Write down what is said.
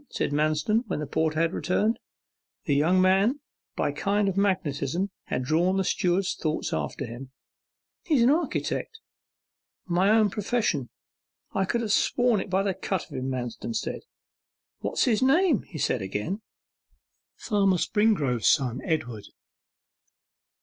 said Manston, when the porter had returned. The young man, by a kind of magnetism, had drawn the steward's thoughts after him. 'He's an architect.' 'My own old profession. I could have sworn it by the cut of him,' Manston murmured. 'What's his name?' he said again. 'Springrove Farmer Springrove's son, Edward.